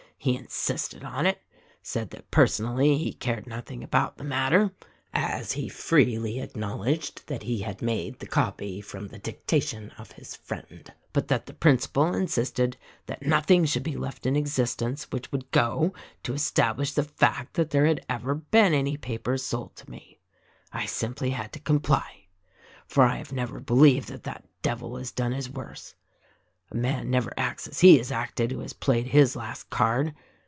He insisted on it: said THE RECORDING ANGEL 207 that personally he cared nothing about the matter, as he freely acknowledged that he had made the copy from the dictation of his friend, but that the principal insisted that nothing should be left in existence which would go to establish the fact that there had ever been any papers sold to me. I simply had to comply ; for I have never believed that that devil has done his worst. A man never acts as he has acted who has played his last card.